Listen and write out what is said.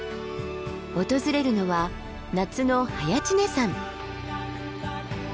訪れるのは夏の早池峰山。